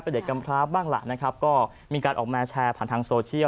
เป็นเด็กกำพร้าบ้างล่ะนะครับก็มีการออกมาแชร์ผ่านทางโซเชียล